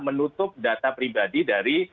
menutup data pribadi dari